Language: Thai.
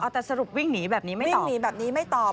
แต่สรุปวิ่งหนีแบบนี้ไม่ตอบ